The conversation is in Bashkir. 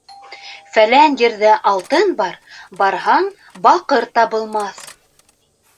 Фәлән ерҙә алтын бар, барһаң -Баҡыр табылмаҫ.